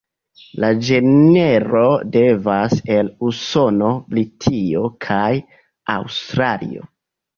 La ĝenro devenas el Usono, Britio, kaj Aŭstralio.